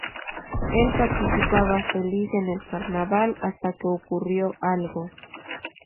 Él participaba feliz en el carnaval hasta que ocurrió algo.